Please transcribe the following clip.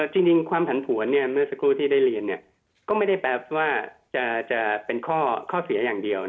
จริงความผันผวนเมื่อสักครู่ที่ได้เรียนก็ไม่ได้แปลว่าจะเป็นข้อเสียอย่างเดียว